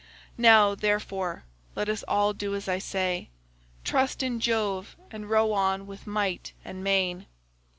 Now, therefore, let us all do as I say, trust in Jove and row on with might and main.